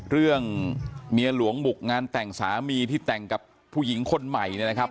เรื่องเมียหลวงบุกงานแต่งสามีที่แต่งกับผู้หญิงคนใหม่เนี่ยนะครับ